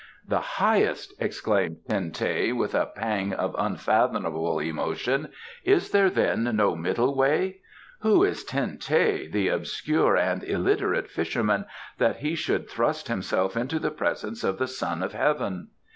"The Highest!" exclaimed Ten teh, with a pang of unfathomable emotion. "Is there, then, no middle way? Who is Ten teh, the obscure and illiterate fisherman, that he should thrust himself into the presence of the Son of Heaven?